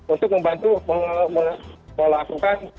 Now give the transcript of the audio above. untuk membantu melakukan